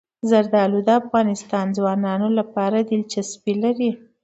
زردالو د افغان ځوانانو لپاره دلچسپي لري.